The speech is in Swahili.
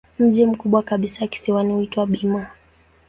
Mji mkubwa kabisa kisiwani huitwa Bima.